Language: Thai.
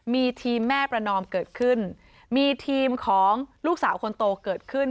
มีทีมแม่ประนอมเกิดขึ้นมีทีมของลูกสาวคนโตเกิดขึ้น